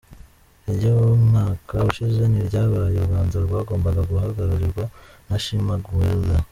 Iry’umwaka ushize ntiryabaye, u Rwanda rwagombaga guhagararirwa na Shimwa Guelda.